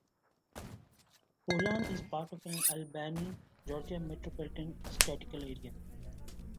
Poulan is part of the Albany, Georgia Metropolitan Statistical Area.